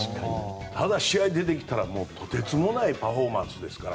ただ試合に出てきたらとてつもないパフォーマンスで。